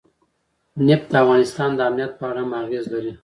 نفت د افغانستان د امنیت په اړه هم اغېز لري.